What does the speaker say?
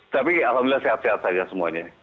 tapi alhamdulillah sehat sehat saja semuanya